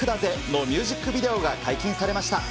のミュージックビデオが解禁されました。